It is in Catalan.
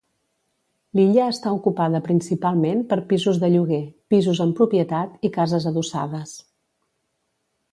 L'illa està ocupada principalment per pisos de lloguer, pisos en propietat i cases adossades.